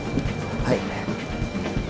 はい。